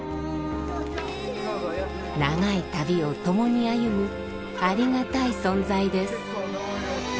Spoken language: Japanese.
長い旅を共に歩むありがたい存在です。